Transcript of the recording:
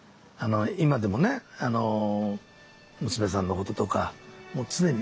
今でもね娘さんのこととかもう常に。